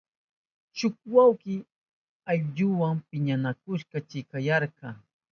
Shuk wawki ayllunwa piñanakushpan chikanyarka.